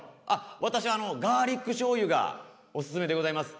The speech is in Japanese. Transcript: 私あのガーリックしょうゆがオススメでございます。